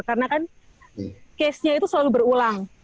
karena kan case nya itu selalu berulang